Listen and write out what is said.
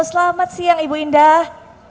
selamat siang ibu indah